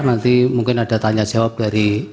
nanti mungkin ada tanya jawab dari